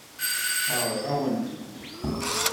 Sseṛɣeɣ-awen-tent.